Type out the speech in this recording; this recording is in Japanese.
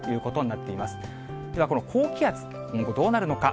この高気圧、今後、どうなるのか。